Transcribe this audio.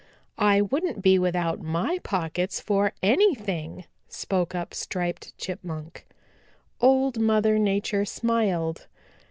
"I wouldn't be without my pockets for any thing," spoke up Striped Chipmunk. Old Mother Nature smiled.